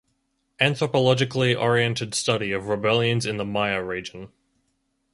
Anthropologically oriented study of rebellions in the Maya region.